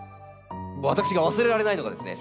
私が忘れられないのがですね